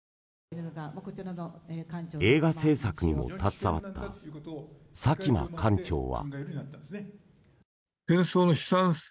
映画制作にも携わった佐喜眞館長は。